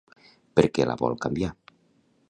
Per què la vol canviar?